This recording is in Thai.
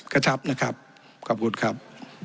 กระชับนะครับขอบคุณครับ